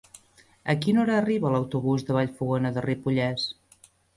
A quina hora arriba l'autobús de Vallfogona de Ripollès?